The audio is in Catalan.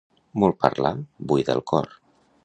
Molt parlar buida el cor.